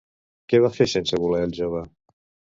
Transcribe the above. Què va fer sense voler el jove?